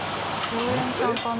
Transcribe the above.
常連さんかな？